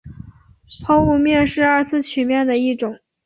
抛物面是二次曲面的一种。